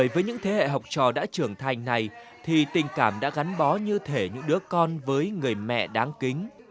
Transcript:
với những thế hệ học trò đã trưởng thành này thì tình cảm đã gắn bó như thể những đứa con với người mẹ đáng kính